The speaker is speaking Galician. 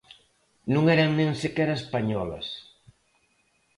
Non eran nin sequera españolas.